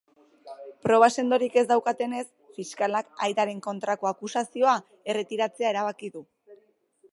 Proba sendorik ez daukatenez, fiskalak aitaren kontrako akusazioa erretiratzea erabaki du.